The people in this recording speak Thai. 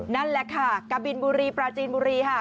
นั่นแหละค่ะกะบินบุรีปราจีนบุรีค่ะ